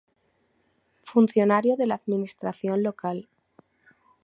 Funcionario de la Administración Local.